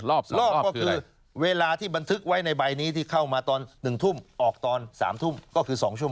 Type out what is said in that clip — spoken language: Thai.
รอบก็คือเวลาที่บันทึกไว้ในใบนี้ที่เข้ามาตอน๑ทุ่มออกตอน๓ทุ่มก็คือ๒ชั่